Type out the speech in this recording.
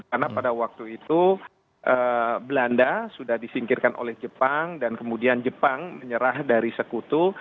karena pada waktu itu belanda sudah disingkirkan oleh jepang dan kemudian jepang menyerah dari sekutu